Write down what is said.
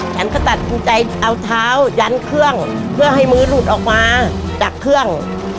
ฉันก็ตัดสินใจเอาเท้ายันเครื่องเพื่อให้มือหลุดออกมาจากเครื่อง